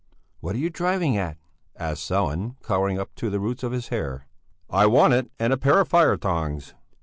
"What are you driving at?" asked Sellén, colouring up to the roots of his hair. "I want it, and a pair of fire tongs."